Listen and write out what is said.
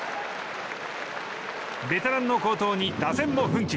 ベテランの好投に打線も奮起。